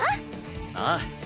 ああ。